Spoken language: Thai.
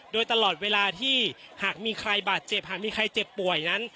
โดยตลอดเวลาที่หากมีใครบาดเจ็บหากมีใครเจ็บป่วยนั้น